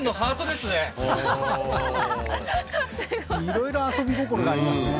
すごいいろいろ遊び心がありますね